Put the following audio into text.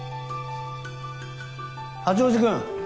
・八王子君。